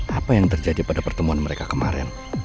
apa yang terjadi pada pertemuan mereka kemarin